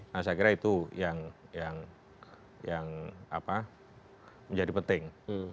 nah saya kira itu yang menjadi penting